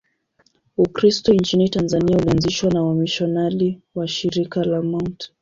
Ukristo nchini Tanzania ulianzishwa na wamisionari wa Shirika la Mt.